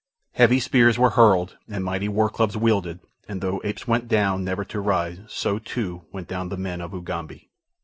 Heavy spears were hurled and mighty war clubs wielded, and though apes went down never to rise, so, too, went down the men of Ugambi.